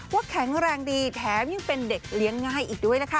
แข็งแรงดีแถมยังเป็นเด็กเลี้ยงง่ายอีกด้วยนะคะ